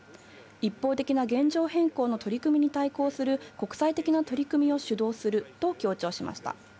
一方的な現状変更の取り組みに対抗する国際的な取り組みを主導すると強調しました。